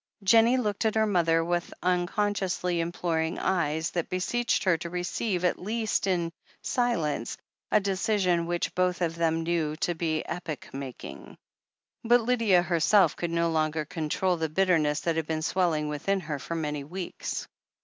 Jennie looked at her mother with unconsciously im ploring eyes, that beseeched her to receive at least in silence a decision which both of them knew to be epoch making. But Lydia herself could no longer control the bitter ness that had been swelling within her for many weeks.